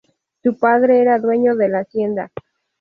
Su padre era dueño de la hacienda.